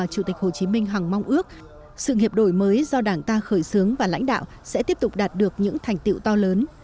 chủ tịch hồ chí minh hằng mong ước sự nghiệp đổi mới do đảng ta khởi xướng và lãnh đạo sẽ tiếp tục đạt được những thành tiệu to lớn